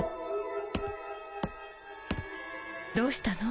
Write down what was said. どうしたの？